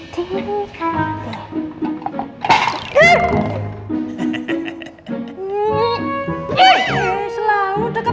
jangan lupa like share dan subscribe ya